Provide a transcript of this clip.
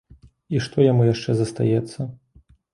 І што яму яшчэ застаецца?